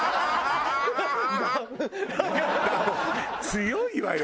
強いわよ！